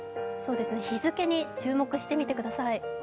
日付に注目してみてください。